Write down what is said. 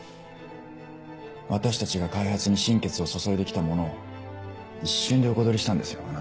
私たちが開発に心血を注いで来たものを一瞬で横取りしたんですよ